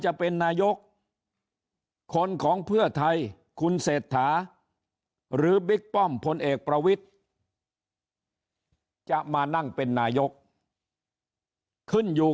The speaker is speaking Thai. หรือบิ๊กป้อมพลเอกประวิทย์จะมานั่งเป็นนายกขึ้นอยู่